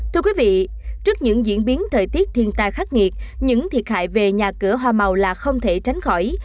thưa quý vị trước những diễn biến thời tiết thiên tai khắc nghiệt những thiệt hại về nhà cửa hoa màu là không thể tránh khỏi